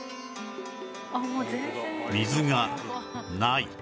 水がない